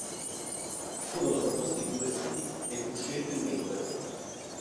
Furono proposti due studi e fu scelto il meno oneroso.